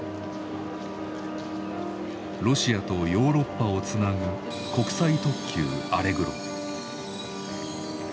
ロシアとヨーロッパをつなぐ国際特急アレグロ。